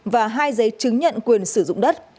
và hai giấy chứng nhận quyền sử dụng đất